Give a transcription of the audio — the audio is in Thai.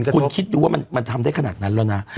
คุณคิดดูว่ามันทำได้ขนาดนั้นแล้วนะ